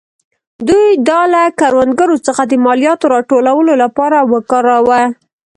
دوی دا له کروندګرو څخه د مالیاتو راټولولو لپاره وکاراوه.